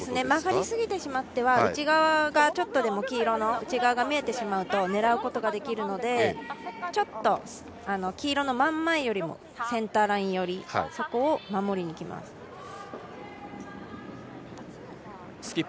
曲がりすぎてしまってはちょっとでも黄色の内側が見えてしまうと狙うことができるので、ちょっと黄色の真ん前よりもセンターライン寄りを守りにきます。